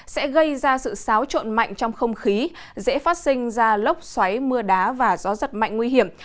sẽ gây ra sự xáo trộn mạnh trong không khí dễ phát sinh ra lốc xoáy mưa đá và gió giật mạnh nguy hiểm